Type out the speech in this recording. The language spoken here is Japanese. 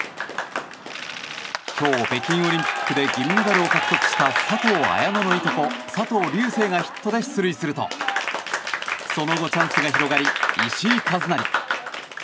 今日、北京オリンピックで銀メダルを獲得した佐藤綾乃のいとこ佐藤龍世がヒットで出塁するとその後、チャンスが広がり石井一成。